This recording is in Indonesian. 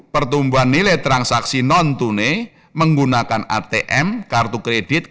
pertumbuhan nilai transaksi non tunai menggunakan atm kartu kredit